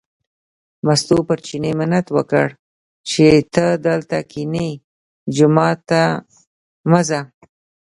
مستو پر چیني منت وکړ چې ته دلته کینې، جومات ته مه ځه.